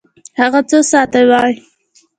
هغه څو ساعته وی؟